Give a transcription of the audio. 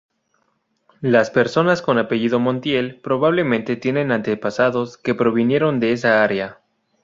Las personas con apellido "Montiel" probablemente tienen antepasados que provinieron de esa área.